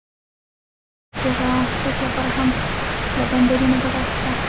د ټرانسپورټ لپاره یې هم له بندرونو ګټه اخیسته.